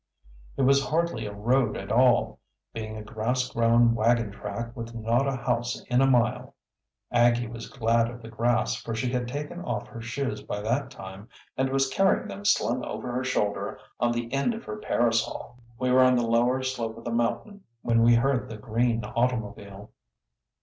It was hardly a road at all, being a grass grown wagontrack with not a house in a mile. Aggie was glad of the grass, for she had taken off her shoes by that time and was carrying them slung over her shoulder on the end of her parasol. We were on the lower slope of the mountain when we heard the green automobile.